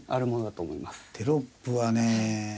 テロップはね